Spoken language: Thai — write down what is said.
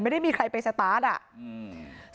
ไม่ได้มีใครไปสตาร์ทอ่ะอืม